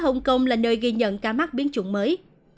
hồng kông là nơi ghi nhận ca mắc biến chủng mới